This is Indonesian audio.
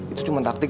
itu cuma taktik